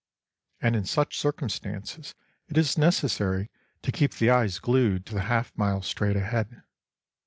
And in such circumstances it is necessary to keep the eyes glued to the half mile straight ahead.